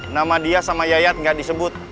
nama dia sama yayat nggak disebut